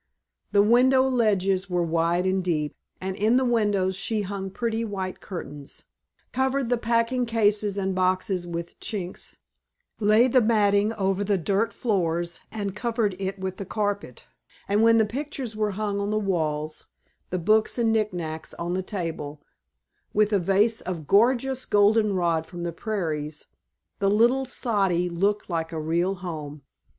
The window ledges were wide and deep, and in the windows she hung pretty white curtains, covered the packing cases and boxes with chintz, laid the matting over the dirt floors and covered it with the carpet, and when the pictures were hung on the walls, the books and knick knacks on the table, with a vase of gorgeous goldenrod from the prairies, the little "soddy" looked like a real home.